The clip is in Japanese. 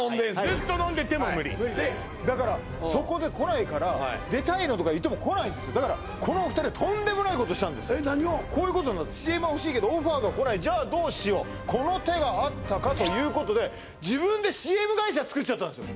ずっと飲んでても無理だからそこで来ないから出たいなとか言っても来ないんですよだからこの２人はとんでもないことをしたんですこういうことＣＭは欲しいけどオファーが来ないじゃあどうしようこの手があったかということで自分でＣＭ会社つくっちゃったんですよ